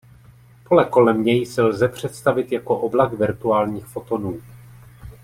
Pole kolem něj si lze představit jako oblak virtuálních fotonů.